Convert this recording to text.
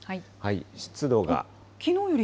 湿度が。